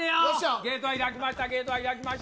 ゲート開きました、ゲートが開きました。